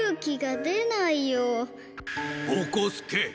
ぼこすけ！